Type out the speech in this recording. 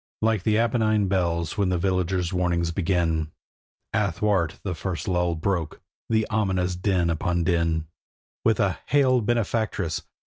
Like the Apennine bells when the villagers' warnings begin, Athwart the first lull broke the ominous din upon din; With a 'Hail, benefactress!